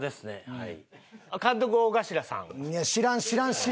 はい。